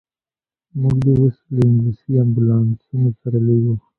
موږ دي اوس له انګلیسي امبولانسونو سره لېږو.